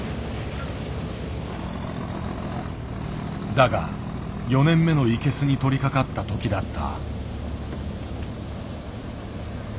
だが４年目のイケスに取りかかったときだった。